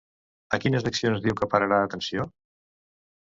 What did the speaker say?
A quines accions diu que pararà atenció?